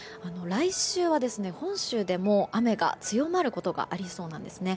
来週は、本州でも雨が強まることがありそうなんですね。